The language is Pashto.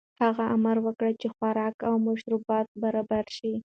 هغه امر وکړ چې خوراک او مشروبات برابر شي.